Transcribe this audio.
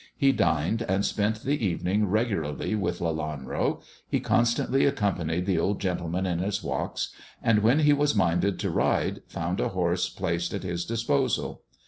He dined and spent the evening regularly with Lelanro, he constantly accompanied the old gentleman in his walks, and when he was minded to ride, found a horse placed at his disposal.